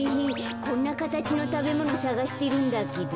こんなかたちのたべものさがしてるんだけど。